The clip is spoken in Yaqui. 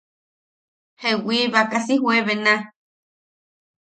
Jewi, baaka si juebena.